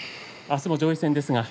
あすも上位戦です。